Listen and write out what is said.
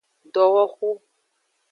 Dowoxu.